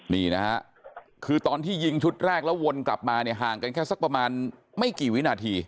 นี่นะฮะคือตอนที่ยิงชุดแรกแล้ววนกลับมาเนี่ยห่างกันแค่สักประมาณไม่กี่วินาที